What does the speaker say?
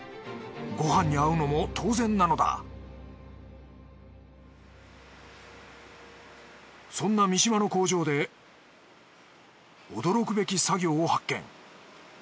ご飯に合うのも当然なのだそんな三島の工場で驚くべき作業を発見。